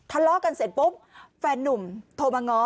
ทะเลาะกันเสร็จปุ๊บแฟนนุ่มโทรมาง้อ